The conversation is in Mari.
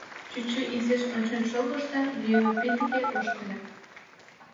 Чӱчӱ изиш ончен шогыш да лӱйымӧ пий деке ошкыльо.